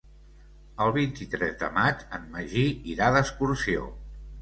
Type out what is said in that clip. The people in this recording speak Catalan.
El vint-i-tres de maig en Magí irà d'excursió.